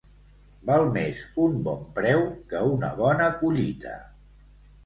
Val més un bon preu que una bona collita.